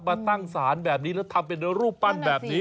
มาตั้งสารแบบนี้แล้วทำเป็นรูปปั้นแบบนี้